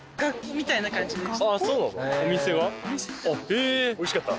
へぇおいしかった？